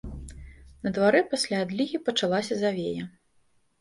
На дварэ пасля адлігі пачалася завея.